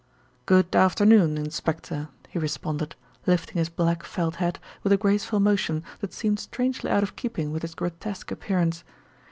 "Good afternoon, inspector," he responded, lifting his black felt hat with a graceful motion that seemed strangely out of keeping with his grotesque appearance.